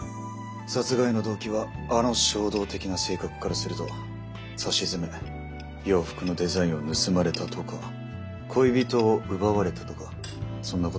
殺害の動機はあの衝動的な性格からするとさしずめ洋服のデザインを盗まれたとか恋人を奪われたとかそんなことだろう。